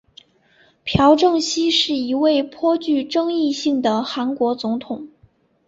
朴正熙是一位颇具争议性的韩国总统。